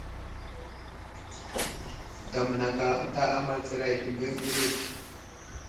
Damnaka ənta amal tsəray təbeŋ ɓəlik.